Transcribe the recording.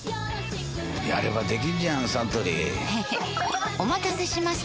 やればできんじゃんサントリーへへっお待たせしました！